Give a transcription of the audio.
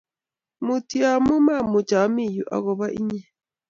Mutyo amuu mamuch amii yu akoba inyee